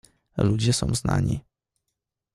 "Ludzie są znani."